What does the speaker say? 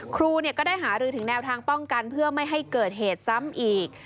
ครูก็ได้หารือถึงแนวทางป้องกันเพื่อไม่ให้เกิดเหตุซ้ำอีก